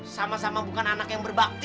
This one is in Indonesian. sama sama bukan anak yang berbakti